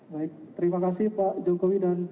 baik terima kasih pak jokowi dan